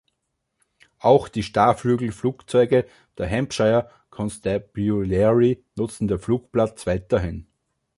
Auch die Starrflügelflugzeuge der Hampshire Constabulary nutzten den Flugplatz weiterhin.